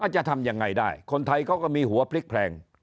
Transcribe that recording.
จะทำยังไงได้คนไทยเขาก็มีหัวพลิกแพลง